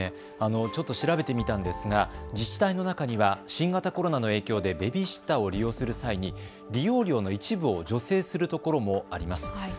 ちょっと調べてみたんですが、自治体の中には新型コロナの影響でベビーシッターを利用する際に利用料の一部を助成するところもあります。